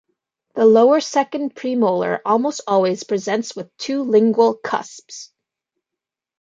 The lower second premolar almost always presents with two lingual cusps.